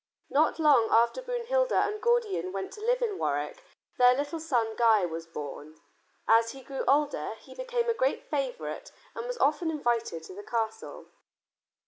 Not long after Brunhilda and Gordian went to live in Warwick, their little son Guy was born. As he grew older he became a great favorite and was often invited to the castle.